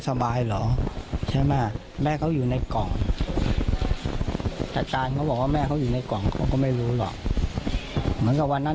ครอบครัวไม่ได้อาฆาตแต่มองว่ามันช้าเกินไปแล้วที่จะมาแสดงความรู้สึกในตอนนี้